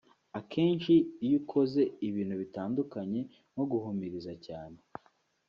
Akenshi iyo ukoze ibintu bitandukanye nko guhumiriza cyane